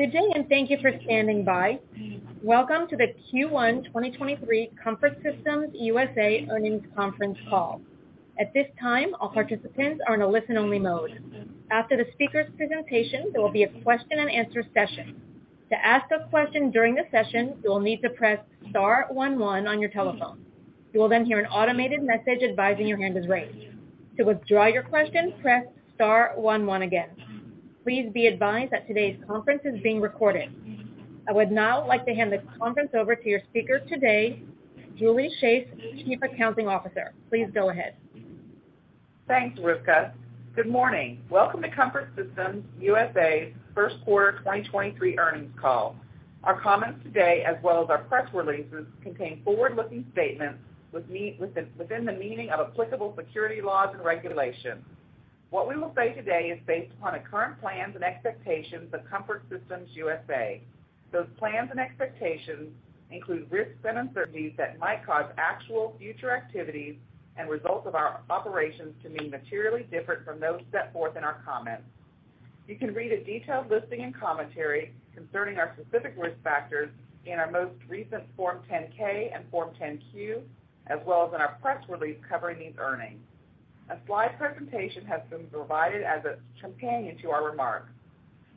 Good day. Thank you for standing by. Welcome to the Q1 2023 Comfort Systems USA Earnings Conference Call. At this time, all participants are in a listen-only mode. After the speaker's presentation, there will be a question-and-answer session. To ask a question during the session, you will need to press star one one on your telephone. You will hear an automated message advising your hand is raised. To withdraw your question, press star one one again. Please be advised that today's conference is being recorded. I would now like to hand this conference over to your speaker today, Julie Shaeff, Chief Accounting Officer. Please go ahead. Thanks, Rica. Good morning. Welcome to Comfort Systems USA's First Quarter 2023 Earnings Call. Our comments today, as well as our press releases, contain forward-looking statements within the meaning of applicable security laws and regulations. What we will say today is based upon the current plans and expectations of Comfort Systems USA. Those plans and expectations include risks and uncertainties that might cause actual future activities and results of our operations to be materially different from those set forth in our comments. You can read a detailed listing and commentary concerning our specific risk factors in our most recent Form 10-K and Form 10-Q, as well as in our press release covering these earnings. A slide presentation has been provided as a companion to our remarks.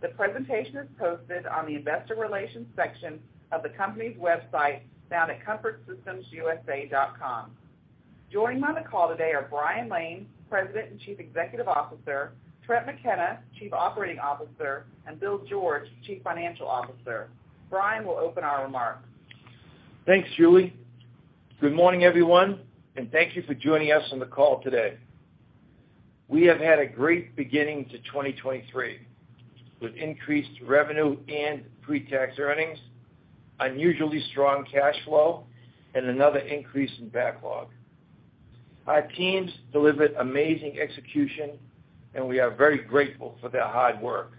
The presentation is posted on the investor relations section of the company's website found at comfortsystemsusa.com. Joining on the call today are Brian Lane, President and Chief Executive Officer, Trent McKenna, Chief Operating Officer, and Bill George, Chief Financial Officer. Brian will open our remarks. Thanks, Julie. Good morning, everyone, and thank you for joining us on the call today. We have had a great beginning to 2023, with increased revenue and pre-tax earnings, unusually strong cash flow, and another increase in backlog. Our teams delivered amazing execution, and we are very grateful for their hard work.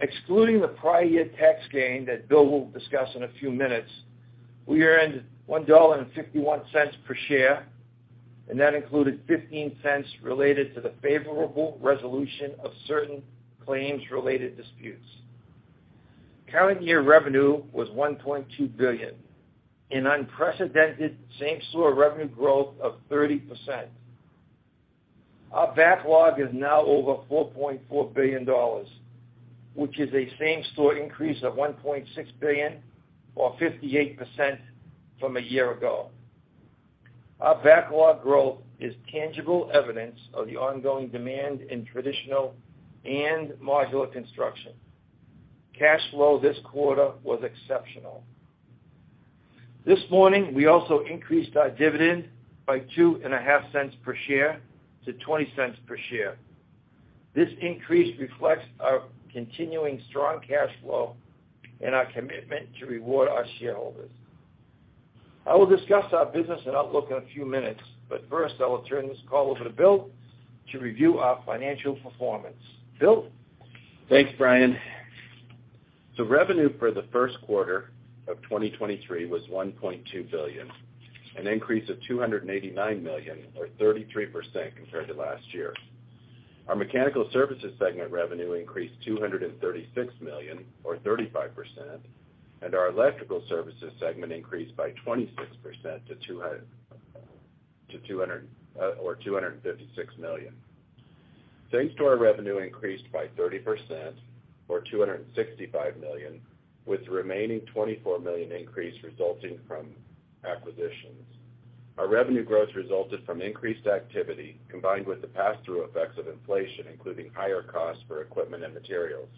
Excluding the prior year tax gain that Bill will discuss in a few minutes, we earned $1.51 per share, and that included $0.15 related to the favorable resolution of certain claims-related disputes. Current year revenue was $1.2 billion, an unprecedented same-store revenue growth of 30%. Our backlog is now over $4.4 billion, which is a same-store increase of $1.6 billion or 58% from a year ago. Our backlog growth is tangible evidence of the ongoing demand in traditional and modular construction. Cash flow this quarter was exceptional. This morning, we also increased our dividend by two and a half cents per share to $0.20 per share. This increase reflects our continuing strong cash flow and our commitment to reward our shareholders. First, I will discuss our business and outlook in a few minutes, I will turn this call over to Bill to review our financial performance. Bill? Thanks, Brian. Revenue for the first quarter of 2023 was $1.2 billion, an increase of $289 million or 33% compared to last year. Our Mechanical Services segment revenue increased $236 million or 35%, and our Electrical Services segment increased by 26% to $256 million. Same-store revenue increased by 30% or $265 million, with the remaining $24 million increase resulting from acquisitions. Our revenue growth resulted from increased activity combined with the pass-through effects of inflation, including higher costs for equipment and materials.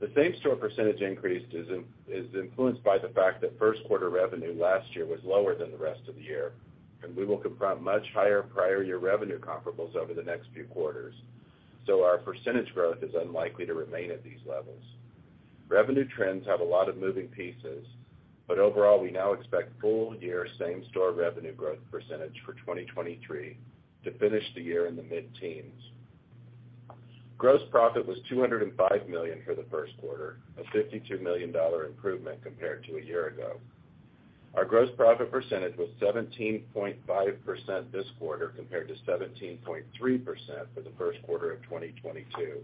The same-store percentage increase is influenced by the fact that first quarter revenue last year was lower than the rest of the year, and we will confront much higher prior year revenue comparables over the next few quarters. Our percentage growth is unlikely to remain at these levels. Revenue trends have a lot of moving pieces, but overall, we now expect full-year same-store revenue growth percentage for 2023 to finish the year in the mid-teens. Gross profit was $205 million for the first quarter, a $52 million improvement compared to a year ago. Our gross profit % was 17.5% this quarter, compared to 17.3% for the first quarter of 2022,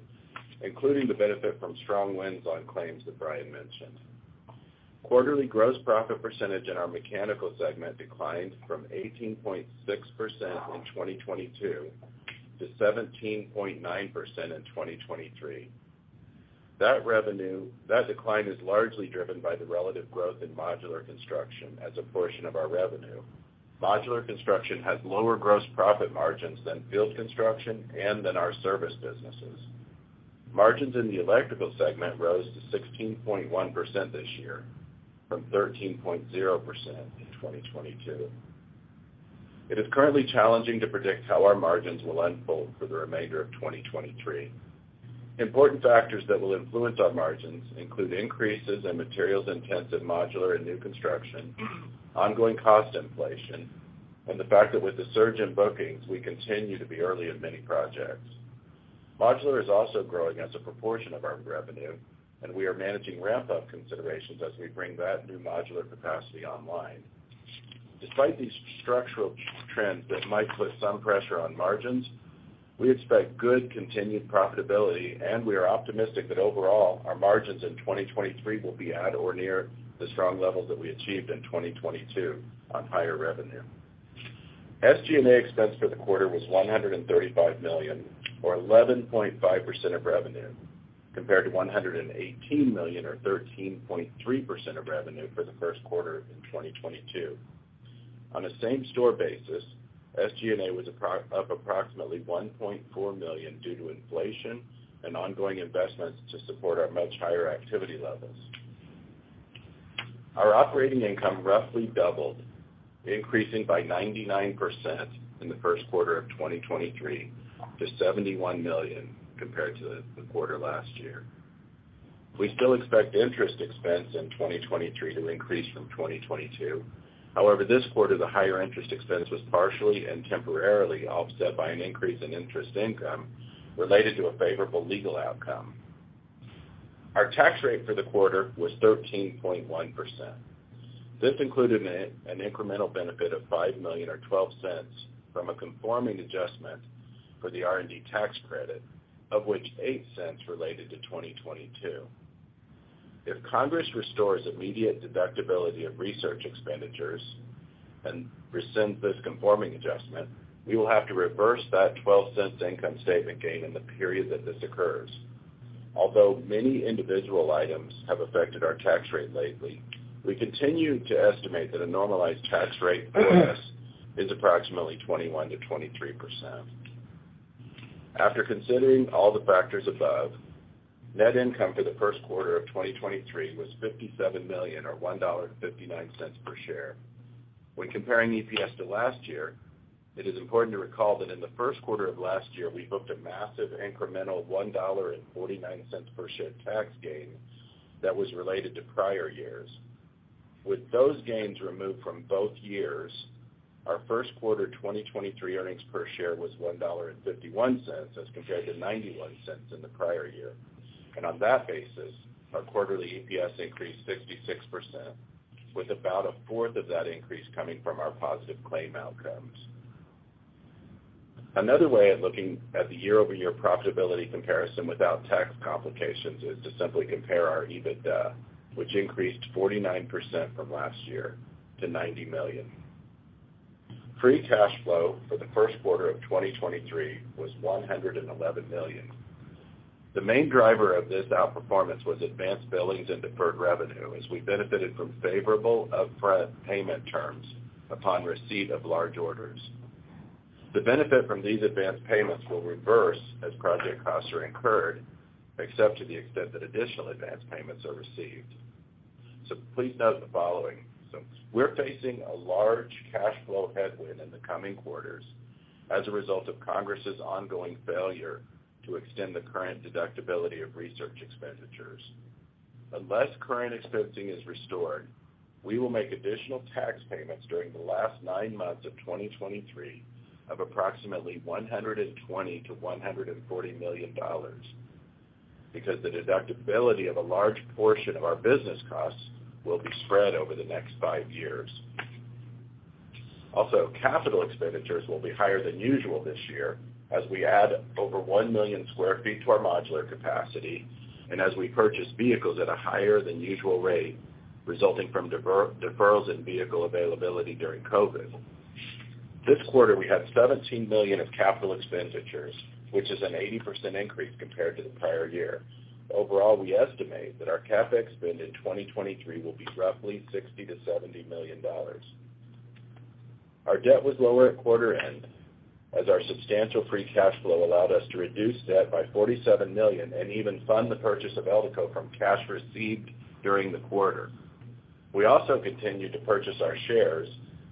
including the benefit from strong wins on claims that Brian mentioned. Quarterly gross profit % in our Mechanical Services segment declined from 18.6% in 2022 to 17.9% in 2023. That decline is largely driven by the relative growth in modular construction as a portion of our revenue. Modular construction has lower gross profit margins than field construction and than our service businesses. Margins in the Electrical segment rose to 16.1% this year from 13.0% in 2022. It is currently challenging to predict how our margins will unfold for the remainder of 2023. Important factors that will influence our margins include increases in materials intensive modular and new construction, ongoing cost inflation and the fact that with the surge in bookings, we continue to be early in many projects. Modular is also growing as a proportion of our revenue, and we are managing ramp-up considerations as we bring that new modular capacity online. Despite these structural trends that might put some pressure on margins, we expect good continued profitability, and we are optimistic that overall, our margins in 2023 will be at or near the strong levels that we achieved in 2022 on higher revenue. SG&A expense for the quarter was $135 million, or 11.5% of revenue, compared to $118 million, or 13.3% of revenue for the first quarter in 2022. On a same-store basis, SG&A was up approximately $1.4 million due to inflation and ongoing investments to support our much higher activity levels. Our operating income roughly doubled, increasing by 99% in the first quarter of 2023 to $71 million compared to the quarter last year. We still expect interest expense in 2023 to increase from 2022. This quarter, the higher interest expense was partially and temporarily offset by an increase in interest income related to a favorable legal outcome. Our tax rate for the quarter was 13.1%. This included an incremental benefit of $5 million or $0.12 from a conforming adjustment for the R&D tax credit, of which $0.08 related to 2022. If Congress restores immediate deductibility of research expenditures and rescinds this conforming adjustment, we will have to reverse that $0.12 income statement gain in the period that this occurs. Although many individual items have affected our tax rate lately, we continue to estimate that a normalized tax rate for us is approximately 21%-23%. After considering all the factors above, net income for the first quarter of 2023 was $57 million or $1.59 per share. When comparing EPS to last year, it is important to recall that in the first quarter of last year, we booked a massive incremental $1.49 per share tax gain that was related to prior years. With those gains removed from both years, our first quarter 2023 earnings per share was $1.51, as compared to $0.91 in the prior year. On that basis, our quarterly EPS increased 66%, with about a fourth of that increase coming from our positive claim outcomes. Another way of looking at the year-over-year profitability comparison without tax complications is to simply compare our EBITDA, which increased 49% from last year to $90 million. Free cash flow for the first quarter of 2023 was $111 million. The main driver of this outperformance was advanced billings and deferred revenue, as we benefited from favorable upfront payment terms upon receipt of large orders. The benefit from these advanced payments will reverse as project costs are incurred, except to the extent that additional advanced payments are received. Please note the following. We're facing a large cash flow headwind in the coming quarters as a result of Congress's ongoing failure to extend the current deductibility of research expenditures. Unless current expensing is restored, we will make additional tax payments during the last nine months of 2023 of approximately $120 million-$140 million because the deductibility of a large portion of our business costs will be spread over the next five years. Capital expenditures will be higher than usual this year as we add over 1 million sq ft to our modular capacity and as we purchase vehicles at a higher than usual rate resulting from deferrals in vehicle availability during COVID. This quarter, we had $17 million of capital expenditures, which is an 80% increase compared to the prior year. Overall, we estimate that our CapEx spend in 2023 will be roughly $60 million-$70 million. Our debt was lower at quarter end as our substantial free cash flow allowed us to reduce debt by $47 million and even fund the purchase of Eldeco from cash received during the quarter. We also continued to purchase our shares,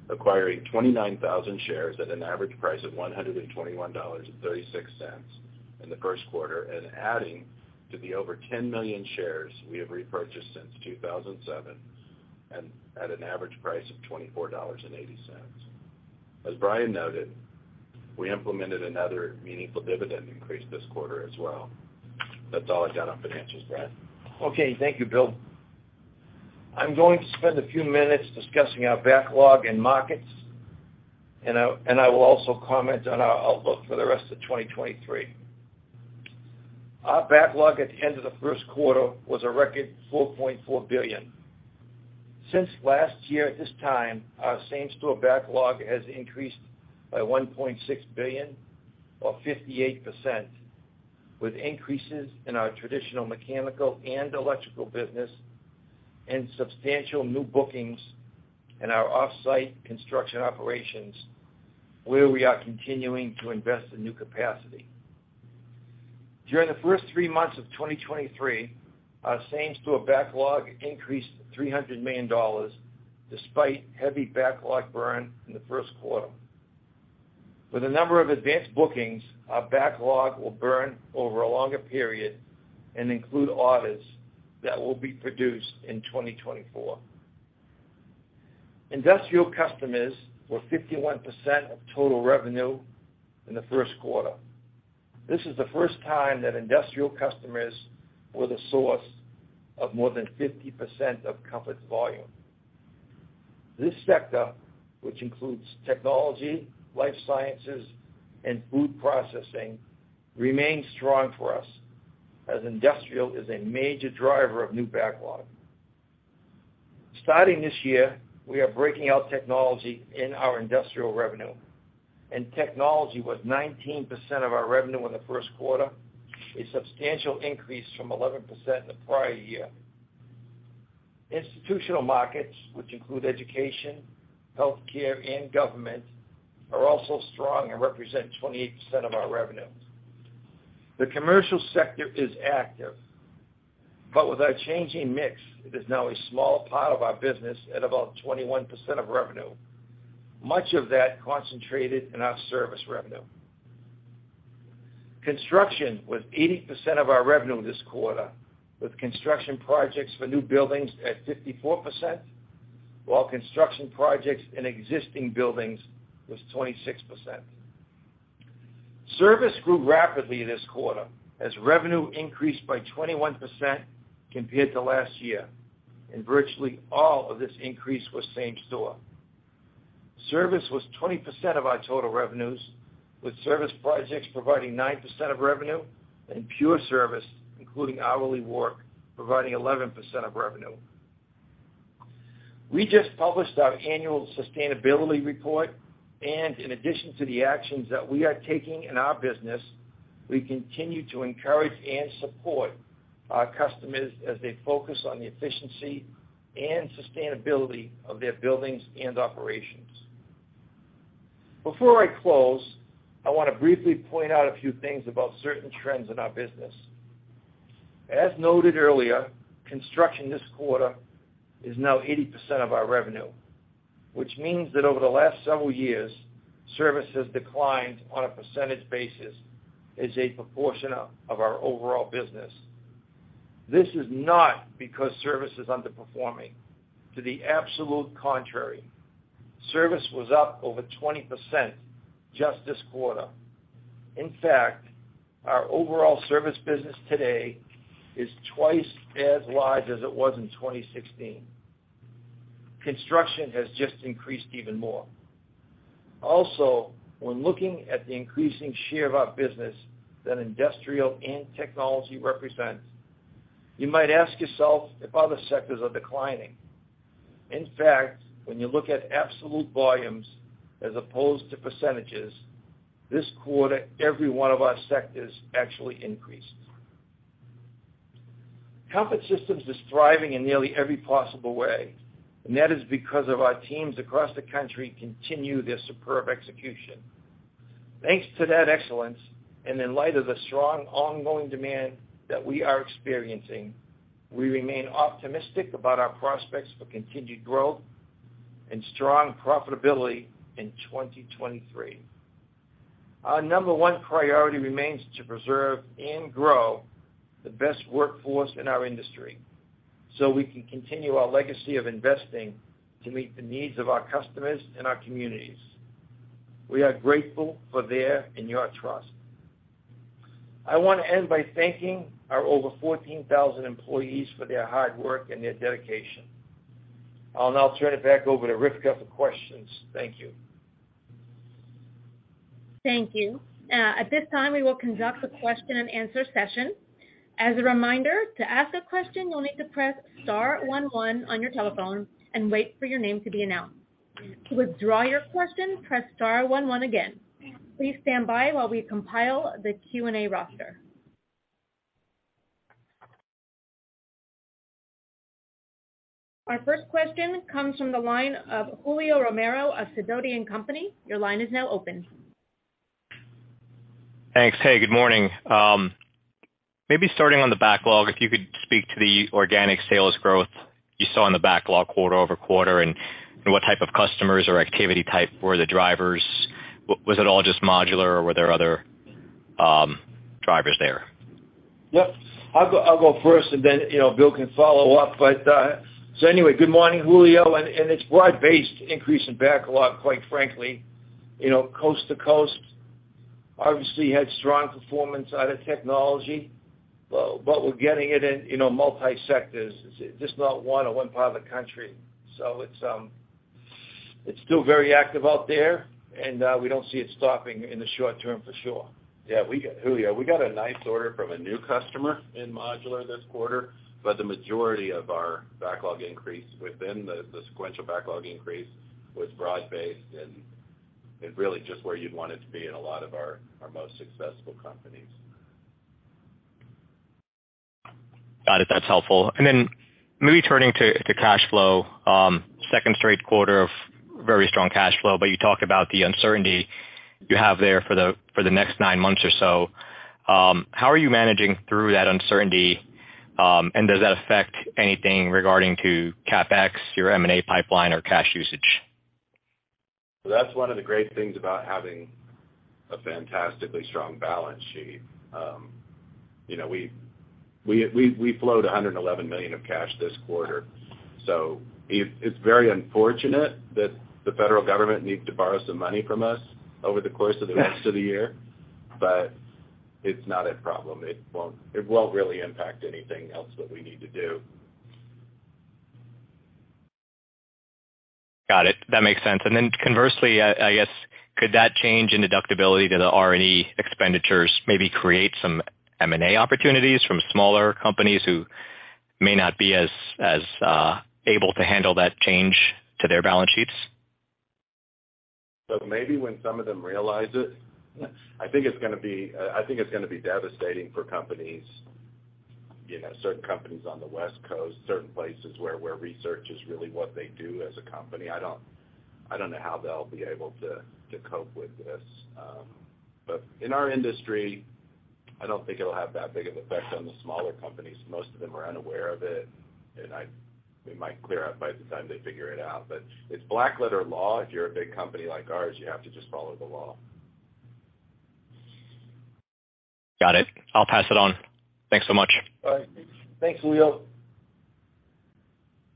acquiring 29,000 shares at an average price of $121.36 in the first quarter and adding to the over 10 million shares we have repurchased since 2007 and at an average price of $24.80. As Brian noted, we implemented another meaningful dividend increase this quarter as well. That's all I've got on financials, Brian. Okay. Thank you, Bill. I'm going to spend a few minutes discussing our backlog and markets, and I will also comment on our outlook for the rest of 2023. Our backlog at the end of the first quarter was a record $4.4 billion. Since last year at this time, our same-store backlog has increased by $1.6 billion, or 58%, with increases in our traditional mechanical and electrical business and substantial new bookings in our Off-site Construction operations, where we are continuing to invest in new capacity. During the first three months of 2023, our same-store backlog increased $300 million despite heavy backlog burn in the first quarter. With a number of advanced bookings, our backlog will burn over a longer period and include orders that will be produced in 2024. Industrial customers were 51% of total revenue in the first quarter. This is the first time that industrial customers were the source of more than 50% of Comfort's volume. This sector, which includes technology, life sciences, and food processing, remains strong for us as industrial is a major driver of new backlog. Starting this year, we are breaking out technology in our industrial revenue, technology was 19% of our revenue in the first quarter, a substantial increase from 11% in the prior year. Institutional markets, which include education, healthcare, and government, are also strong and represent 28% of our revenue. The commercial sector is active, with our changing mix, it is now a small part of our business at about 21% of revenue, much of that concentrated in our service revenue. Construction was 80% of our revenue this quarter, with construction projects for new buildings at 54%, while construction projects in existing buildings was 26%. Service grew rapidly this quarter as revenue increased by 21% compared to last year, and virtually all of this increase was same store. Service was 20% of our total revenues, with service projects providing 9% of revenue and pure service, including hourly work, providing 11% of revenue. We just published our annual sustainability report, and in addition to the actions that we are taking in our business, we continue to encourage and support our customers as they focus on the efficiency and sustainability of their buildings and operations. Before I close, I want to briefly point out a few things about certain trends in our business. As noted earlier, construction this quarter is now 80% of our revenue, which means that over the last several years, service has declined on a percentage basis as a proportion of our overall business. This is not because service is underperforming. To the absolute contrary, service was up over 20% just this quarter. Our overall service business today is twice as large as it was in 2016. Construction has just increased even more. When looking at the increasing share of our business that industrial and technology represent, you might ask yourself if other sectors are declining. When you look at absolute volumes as opposed to percentages, this quarter, every one of our sectors actually increased. Comfort Systems is thriving in nearly every possible way, That is because of our teams across the country continue their superb execution. Thanks to that excellence, and in light of the strong ongoing demand that we are experiencing, we remain optimistic about our prospects for continued growth and strong profitability in 2023. Our number one priority remains to preserve and grow the best workforce in our industry, so we can continue our legacy of investing to meet the needs of our customers and our communities. We are grateful for their and your trust. I want to end by thanking our over 14,000 employees for their hard work and their dedication. I'll now turn it back over to Rica for questions. Thank you. Thank you. At this time, we will conduct a question and answer session. As a reminder, to ask a question, you'll need to press star one one on your telephone and wait for your name to be announced. To withdraw your question, press star one one again. Please stand by while we compile the Q&A roster. Our first question comes from the line of Julio Romero of Sidoti & Company. Your line is now open. Thanks. Hey, good morning. maybe starting on the backlog, if you could speak to the organic sales growth you saw in the backlog quarter-over-quarter and what type of customers or activity type were the drivers. Was it all just modular, or were there other drivers there? Yep. I'll go first, and then, you know, Bill can follow up. Anyway, good morning, Julio. It's broad-based increase in backlog, quite frankly. You know, coast to coast obviously had strong performance out of technology, but we're getting it in, you know, multi-sectors. It's just not one part of the country. It's still very active out there, and we don't see it stopping in the short term for sure. Yeah. Julio, we got a nice order from a new customer in modular this quarter. The majority of our backlog increase within the sequential backlog increase was broad-based and really just where you'd want it to be in a lot of our most successful companies. Got it. That's helpful. Then maybe turning to cash flow, second straight quarter of very strong cash flow. You talked about the uncertainty you have there for the, for the next nine months or so. How are you managing through that uncertainty, does that affect anything regarding to CapEx, your M&A pipeline, or cash usage? That's one of the great things about having a fantastically strong balance sheet. You know, we flowed $111 million of cash this quarter. It's very unfortunate that the federal government needs to borrow some money from us over the course of the rest of the year. It's not a problem. It won't really impact anything else that we need to do. Got it. That makes sense. Conversely, I guess, could that change in deductibility to the R&D expenditures maybe create some M&A opportunities from smaller companies who may not be as able to handle that change to their balance sheets? Maybe when some of them realize it. I think it's gonna be, I think it's gonna be devastating for companies, you know, certain companies on the West Coast, certain places where research is really what they do as a company. I don't know how they'll be able to cope with this. In our industry, I don't think it'll have that big of effect on the smaller companies. Most of them are unaware of it might clear up by the time they figure it out. It's black letter law. If you're a big company like ours, you have to just follow the law. Got it. I'll pass it on. Thanks so much. All right. Thanks, Leo.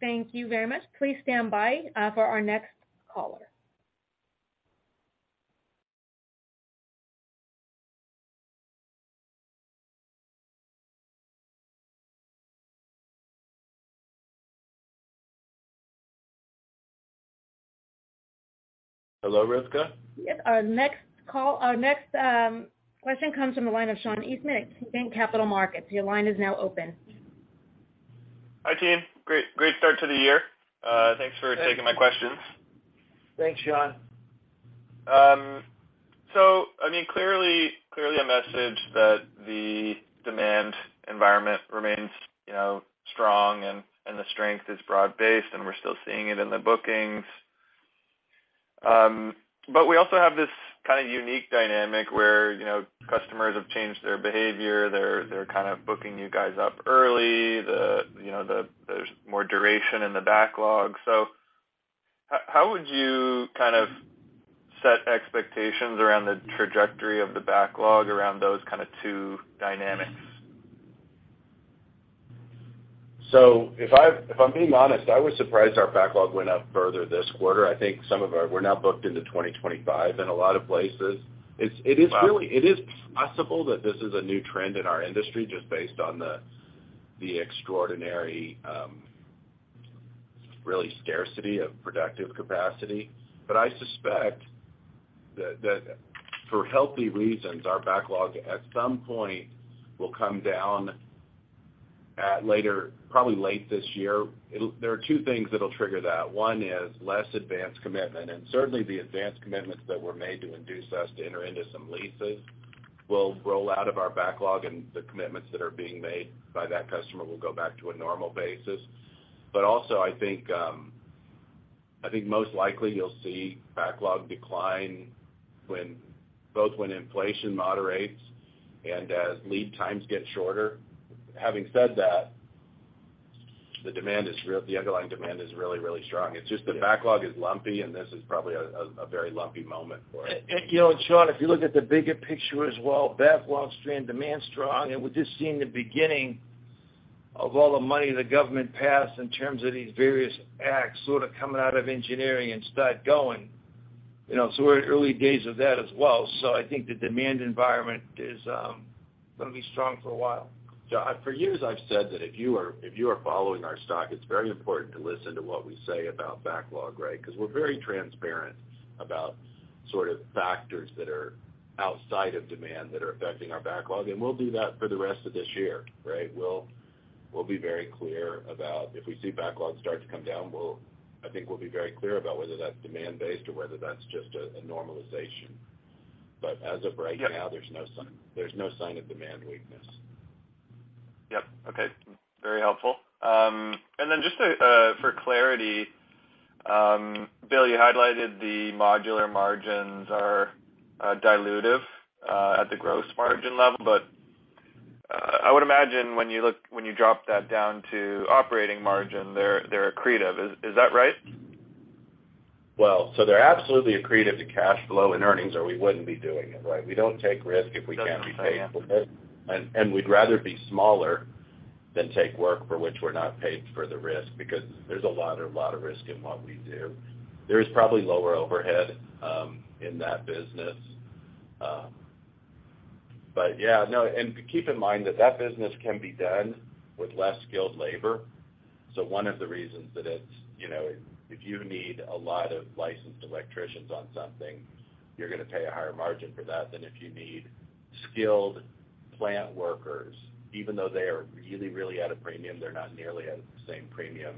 Thank you very much. Please stand by for our next caller. Hello, Rica? Yes. Our next question comes from the line of Sean Eastman at KeyBanc Capital Markets. Your line is now open. Hi, team. Great start to the year. Thanks for taking my questions. Thanks, Sean. Clearly a message that the demand environment remains, you know, strong and the strength is broad-based, and we're still seeing it in the bookings. We also have this kind of unique dynamic where, you know, customers have changed their behavior. They're kind of booking you guys up early. You know, there's more duration in the backlog. How would you kind of set expectations around the trajectory of the backlog around those kind of two dynamics? If I'm being honest, I was surprised our backlog went up further this quarter. We're now booked into 2025 in a lot of places. It is really. Wow. It is possible that this is a new trend in our industry just based on the extraordinary, really scarcity of productive capacity. I suspect that for healthy reasons, our backlog, at some point, will come down at later, probably late this year. There are two things that'll trigger that. One is less advanced commitment, and certainly the advanced commitments that were made to induce us to enter into some leases will roll out of our backlog, and the commitments that are being made by that customer will go back to a normal basis. Also I think, I think most likely you'll see backlog decline both when inflation moderates and as lead times get shorter. Having said that, the demand is real. The underlying demand is really, really strong. It's just the backlog is lumpy, and this is probably a very lumpy moment for it. You know, Sean Eastman, if you look at the bigger picture as well, backlog staying demand strong, and we're just seeing the beginning of all the money the government passed in terms of these various acts sort of coming out of engineering and start going. You know, we're in early days of that as well. I think the demand environment is gonna be strong for a while. Yeah. For years I've said that if you are following our stock, it's very important to listen to what we say about backlog, right? 'Cause we're very transparent about sort of factors that are outside of demand that are affecting our backlog, and we'll do that for the rest of this year, right? We'll be very clear about if we see backlog start to come down, I think we'll be very clear about whether that's demand-based or whether that's just a normalization. As of right now. Yep. There's no sign of demand weakness. Yep. Okay. Very helpful. Then just to for clarity, Bill, you highlighted the modular margins are dilutive at the gross margin level. I would imagine when you drop that down to operating margin, they're accretive. Is that right? They're absolutely accretive to cash flow and earnings, or we wouldn't be doing it, right? We don't take risk if we can't be paid for it. We'd rather be smaller than take work for which we're not paid for the risk because there's a lot of risk in what we do. There is probably lower overhead in that business. Yeah, no. Keep in mind that that business can be done with less skilled labor. One of the reasons that it's, you know. If you need a lot of licensed electricians on something, you're gonna pay a higher margin for that than if you need skilled plant workers. Even though they are really at a premium, they're not nearly at the same premium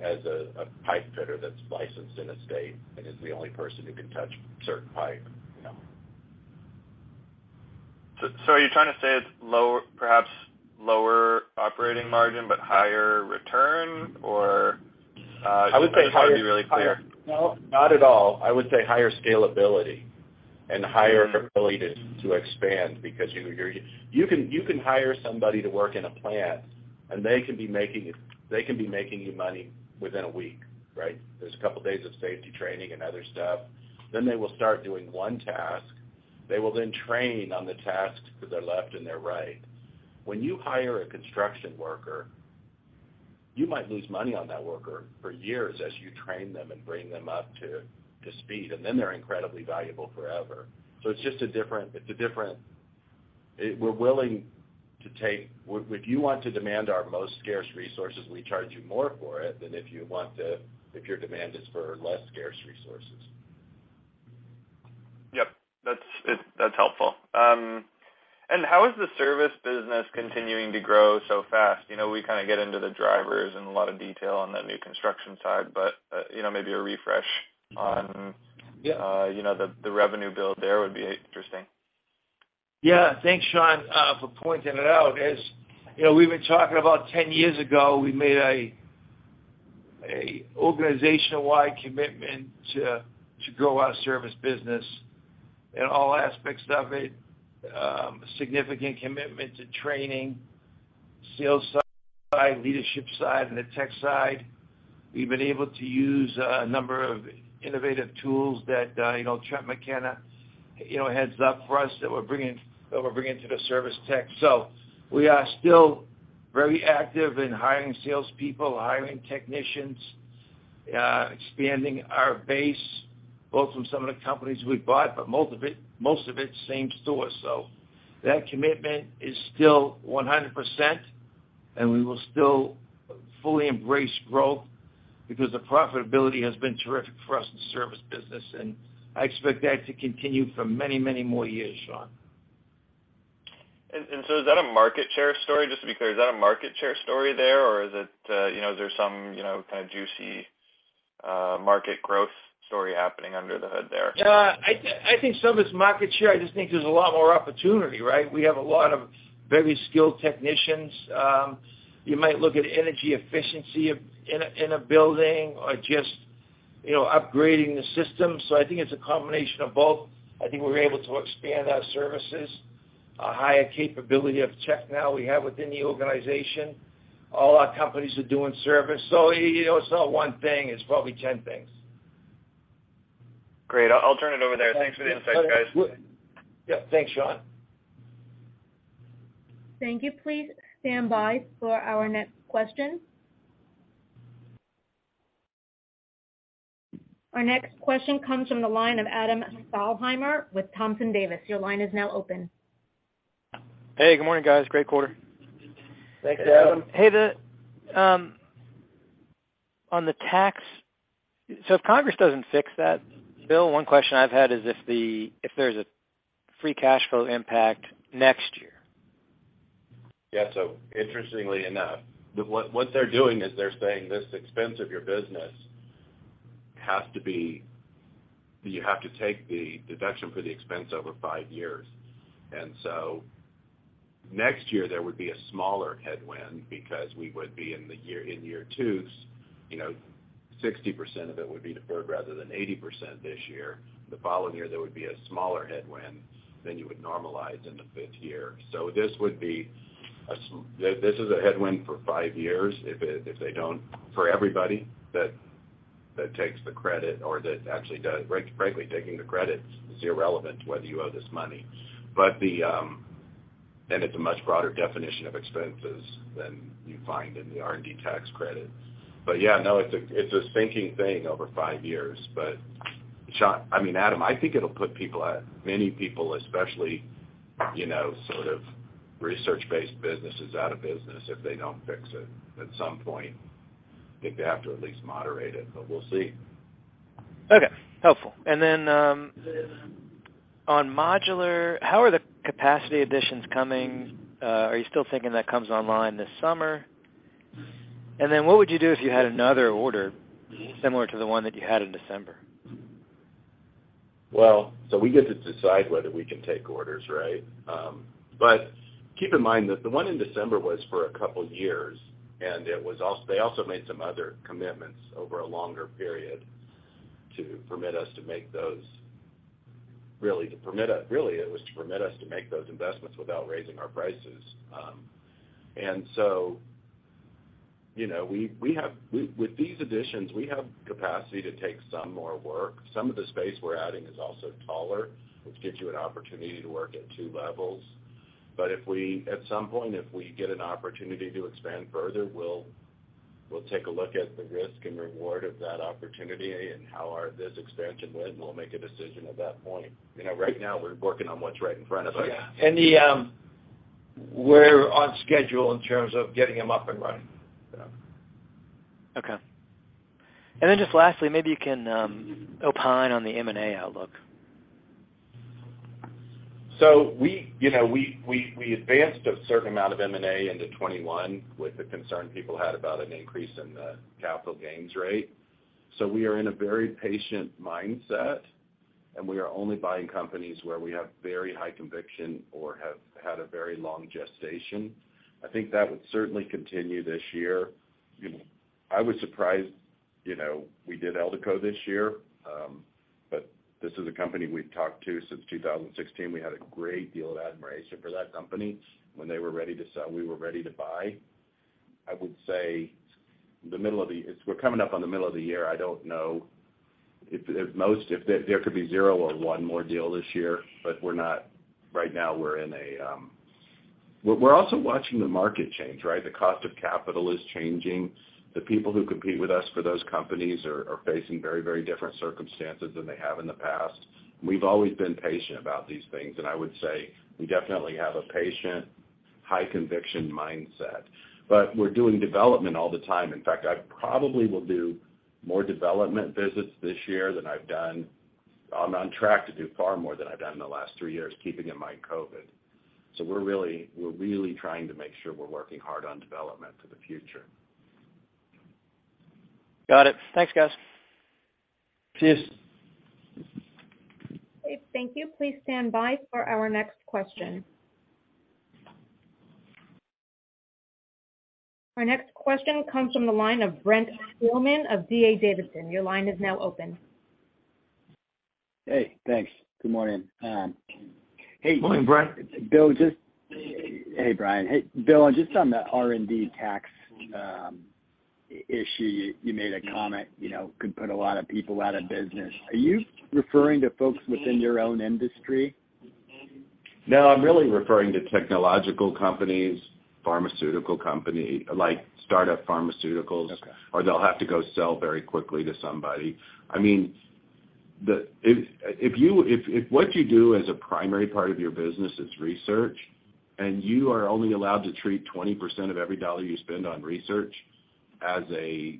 as a pipe fitter that's licensed in a state and is the only person who can touch certain pipe, you know? Are you trying to say it's perhaps lower operating margin but higher return, or? I would say. Just trying to be really clear. No, not at all. I would say higher scalability and higher ability to expand because you can hire somebody to work in a plant. And they can be making you money within a week, right? There's a couple days of safety training and other stuff. They will start doing one task. They will then train on the tasks to their left and their right. When you hire a construction worker, you might lose money on that worker for years as you train them and bring them up to speed. They're incredibly valuable forever. It's just a different, it's a different. We're willing to take. Would you want to demand our most scarce resources, we charge you more for it than if your demand is for less scarce resources. Yep, that's helpful. How is the service business continuing to grow so fast? You know, we kinda get into the drivers in a lot of detail on that new construction side, but, you know, maybe a refresh. Yeah. You know, the revenue build there would be interesting. Thanks, Sean, for pointing it out. As, you know, we've been talking about 10 years ago, we made a organizational-wide commitment to grow our service business in all aspects of it. Significant commitment to training sales side, leadership side, and the tech side. We've been able to use a number of innovative tools that, you know, Trent McKenna, heads up for us that we're bringing to the service tech. We are still very active in hiring salespeople, hiring technicians, expanding our base, both from some of the companies we bought, but most of it, same store. That commitment is still 100%, and we will still fully embrace growth because the profitability has been terrific for us in service business, and I expect that to continue for many, many more years, Sean. Is that a market share story? Just to be clear, is that a market share story there, or is it, you know, there's some, you know, kind of juicy, market growth story happening under the hood there? I think some of it's market share. I just think there's a lot more opportunity, right? We have a lot of very skilled technicians. You might look at energy efficiency in a building or just, you know, upgrading the system. I think it's a combination of both. I think we're able to expand our services, a higher capability of check now we have within the organization. All our companies are doing service. You know, it's not one thing, it's probably 10 things. Great. I'll turn it over there. Thanks for the insight, guys. Yeah. Thanks, Sean. Thank you. Please stand by for our next question. Our next question comes from the line of Adam Thalhimer with Thompson Davis. Your line is now open. Hey, good morning, guys. Great quarter. Thanks, Adam. Hey, the... On the tax... If Congress doesn't fix that bill, one question I've had is if there's a free cash flow impact next year. Yeah. Interestingly enough, what they're doing is they're saying this expense of your business has to be. You have to take the deduction for the expense over five years. Next year, there would be a smaller headwind because we would be in year two's, you know, 60% of it would be deferred rather than 80% this year. The following year, there would be a smaller headwind than you would normalize in the fifth year. This would be a headwind for five years if they don't for everybody that takes the credit or that actually does. Frankly, taking the credit is irrelevant whether you owe this money. It's a much broader definition of expenses than you find in the R&D tax credit. Yeah, no, it's a, it's a sinking thing over five years. I mean, Adam, I think it'll put people at, many people, especially, you know, sort of research-based businesses out of business if they don't fix it at some point. I think they have to at least moderate it, but we'll see. Okay. Helpful. On modular, how are the capacity additions coming? Are you still thinking that comes online this summer? What would you do if you had another order similar to the one that you had in December? We get to decide whether we can take orders, right? But keep in mind that the one in December was for a couple years, and they also made some other commitments over a longer period to permit us to make those. Really, it was to permit us to make those investments without raising our prices. You know, we have, with these additions, we have capacity to take some more work. Some of the space we're adding is also taller, which gives you an opportunity to work at two levels. If we, at some point, if we get an opportunity to expand further, we'll take a look at the risk and reward of that opportunity and how this expansion went, and we'll make a decision at that point. You know, right now we're working on what's right in front of us. Yeah. The, we're on schedule in terms of getting them up and running. Okay. Just lastly, maybe you can opine on the M&A outlook. We, you know, we advanced a certain amount of M&A into 2021 with the concern people had about an increase in the capital gains rate. We are in a very patient mindset, and we are only buying companies where we have very high conviction or have had a very long gestation. I think that would certainly continue this year. You know, I was surprised, you know, we did Eldeco this year, but this is a company we've talked to since 2016. We had a great deal of admiration for that company. When they were ready to sell, we were ready to buy. I would say we're coming up on the middle of the year. I don't know if there could be zero or one more deal this year, but we're not. Right now, we're in a, we're also watching the market change, right? The cost of capital is changing. The people who compete with us for those companies are facing very, very different circumstances than they have in the past. We've always been patient about these things, and I would say we definitely have a patient, high-conviction mindset. We're doing development all the time. In fact, I probably will do more development visits this year than I've done. I'm on track to do far more than I've done in the last three years, keeping in mind COVID. We're really trying to make sure we're working hard on development for the future. Got it. Thanks, guys. Cheers. Okay, thank you. Please stand by for our next question. Our next question comes from the line of Brent Thielman of D.A. Davidson. Your line is now open. Hey, thanks. Good morning. Good morning, Brent. Bill, Hey, Brian. Hey, Bill, just on the R&D tax issue, you made a comment, you know, could put a lot of people out of business. Are you referring to folks within your own industry? No, I'm really referring to technological companies, pharmaceutical company, like startup pharmaceuticals. Okay. They'll have to go sell very quickly to somebody. I mean, if you if what you do as a primary part of your business is research, and you are only allowed to treat 20% of every dollar you spend on research as a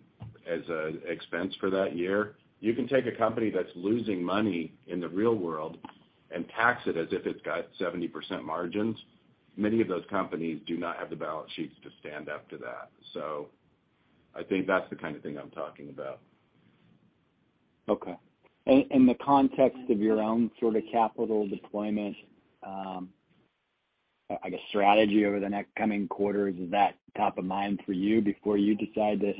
expense for that year, you can take a company that's losing money in the real world and tax it as if it's got 70% margins. Many of those companies do not have the balance sheets to stand up to that. I think that's the kind of thing I'm talking about. Okay. In the context of your own sort of capital deployment, I guess, strategy over the next coming quarters, is that top of mind for you before you decide to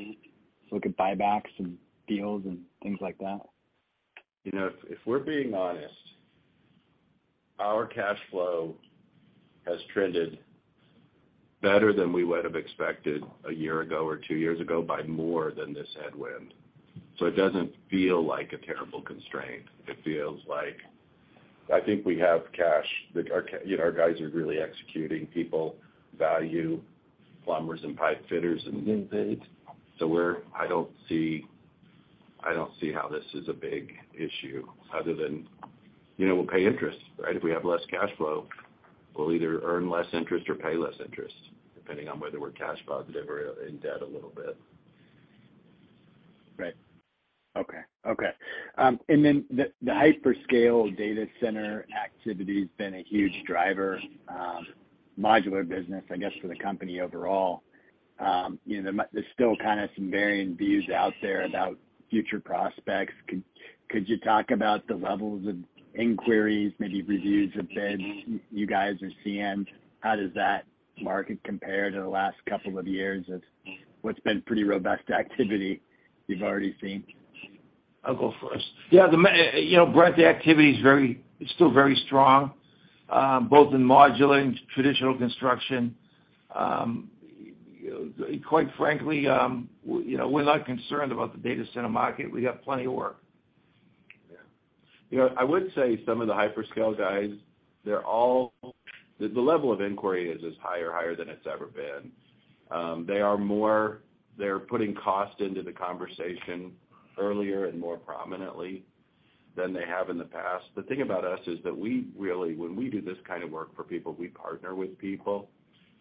look at buybacks and deals and things like that? You know, if we're being honest, our cash flow has trended better than we would have expected one year ago or two years ago by more than this headwind. It doesn't feel like a terrible constraint. It feels like I think we have cash. Like, our you know, our guys are really executing. People value plumbers and pipe fitters. I don't see how this is a big issue other than, you know, we'll pay interest, right? If we have less cash flow, we'll either earn less interest or pay less interest, depending on whether we're cash positive or in debt a little bit. Right. Okay. Okay. The, the hyperscale data center activity's been a huge driver, modular business, I guess, for the company overall. You know, there's still kinda some varying views out there about future prospects. Could you talk about the levels of inquiries, maybe reviews of bids you guys are seeing? How does that market compare to the last couple of years of what's been pretty robust activity you've already seen? I'll go first. Yeah, you know, Brent, the activity is still very strong, both in modular and traditional construction. Quite frankly, you know, we're not concerned about the data center market. We have plenty of work. You know, I would say some of the hyperscale guys, they're all. The level of inquiry is as high or higher than it's ever been. They're putting cost into the conversation earlier and more prominently than they have in the past. The thing about us is that we really, when we do this kind of work for people, we partner with people.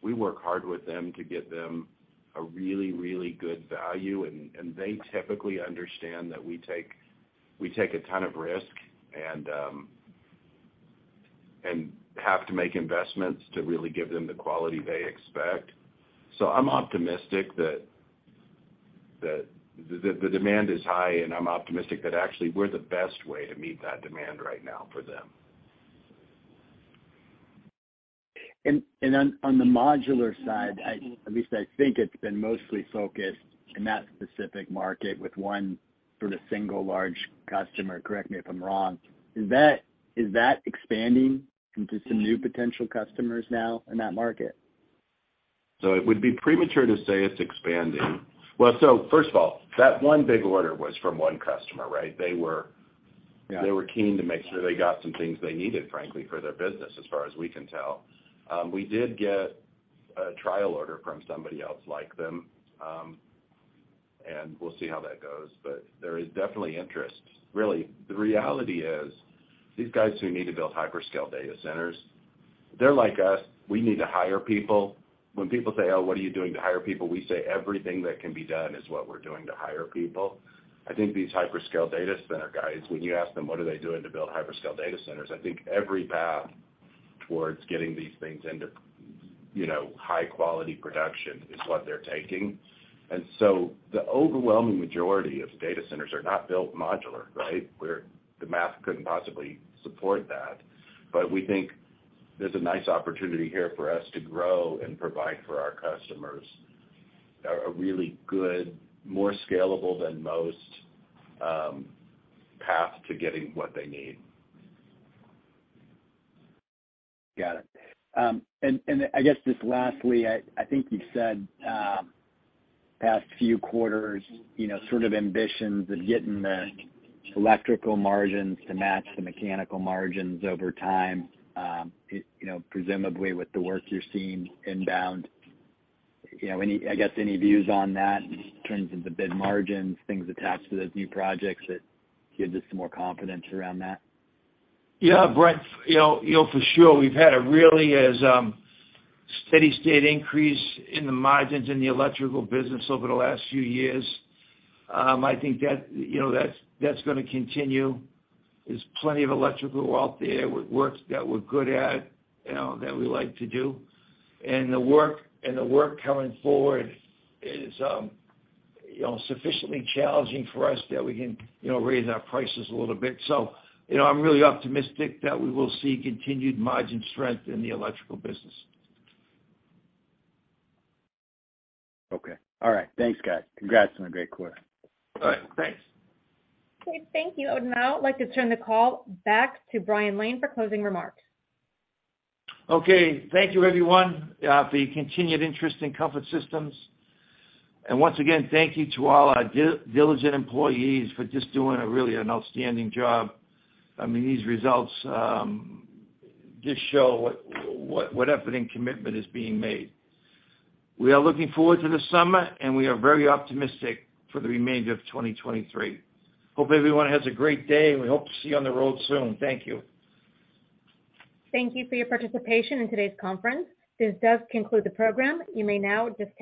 We work hard with them to get them a really, really good value, and they typically understand that we take a ton of risk and have to make investments to really give them the quality they expect. I'm optimistic that the demand is high, and I'm optimistic that actually we're the best way to meet that demand right now for them. On the modular side, I at least I think it's been mostly focused in that specific market with one sort of single large customer, correct me if I'm wrong. Is that expanding into some new potential customers now in that market? It would be premature to say it's expanding. Well, first of all, that one big order was from one customer, right? Yeah. They were keen to make sure they got some things they needed, frankly, for their business as far as we can tell. We did get a trial order from somebody else like them, and we'll see how that goes, but there is definitely interest. Really, the reality is these guys who need to build hyperscale data centers, they're like us. We need to hire people. When people say, "Oh, what are you doing to hire people?" We say everything that can be done is what we're doing to hire people. I think these hyperscale data center guys, when you ask them, what are they doing to build hyperscale data centers, I think every path towards getting these things into, you know, high-quality production is what they're taking. The overwhelming majority of data centers are not built modular, right? Where the math couldn't possibly support that. We think there's a nice opportunity here for us to grow and provide for our customers a really good, more scalable than most path to getting what they need. Got it. I guess just lastly, I think you said, past few quarters, you know, sort of ambitions of getting the electrical margins to match the mechanical margins over time, you know, presumably with the work you're seeing inbound. You know, I guess, any views on that in terms of the bid margins, things attached to those new projects that gives us some more confidence around that? Yeah, Brent, you know, for sure. We've had a really steady state increase in the margins in the electrical business over the last few years. I think that, you know, that's gonna continue. There's plenty of electrical out there with work that we're good at, you know, that we like to do. The work coming forward is, you know, sufficiently challenging for us that we can, you know, raise our prices a little bit. You know, I'm really optimistic that we will see continued margin strength in the electrical business. Okay. All right. Thanks, guys. Congrats on a great quarter. All right. Thanks. Okay, thank you. I would now like to turn the call back to Brian Lane for closing remarks. Okay. Thank you everyone, for your continued interest in Comfort Systems USA. Once again, thank you to all our diligent employees for just doing a really an outstanding job. I mean, these results, just show what effort and commitment is being made. We are looking forward to the summer, and we are very optimistic for the remainder of 2023. Hope everyone has a great day, and we hope to see you on the road soon. Thank you. Thank you for your participation in today's conference. This does conclude the program. You may now disconnect.